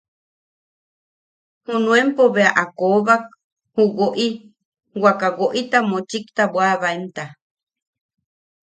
Junuenpo bea a koobak juʼu woʼi wakaʼa woʼita mochikta bwaʼabaemta.